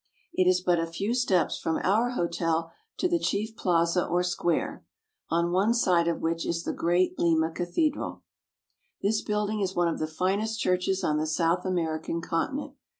It is but a LIMA. 63 few steps from our hotel to the chief plaza or square, on one side of which is the great Lima cathedral. This building is one of the finest churches on the South American continent.